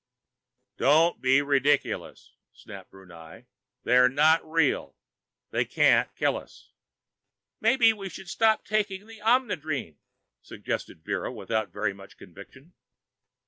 "Don't be ridiculous!" snapped Brunei. "They're not real. They can't kill us!" "Maybe we should stop taking the Omnidrene?" suggested Vera, without very much conviction.